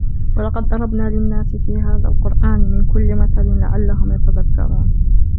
وَلَقَدْ ضَرَبْنَا لِلنَّاسِ فِي هَذَا الْقُرْآنِ مِنْ كُلِّ مَثَلٍ لَعَلَّهُمْ يَتَذَكَّرُونَ